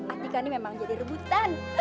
atika ini memang jadi rebutan